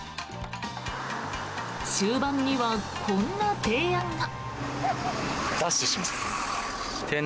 終盤にはこんな提案が。